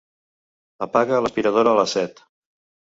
Apaga l'aspiradora a les set.